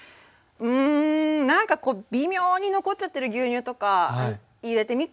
うんなんか微妙に残っちゃってる牛乳とか入れてみっかとか。